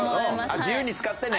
自由に使ってね。